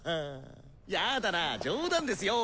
やだなぁ冗談ですよ。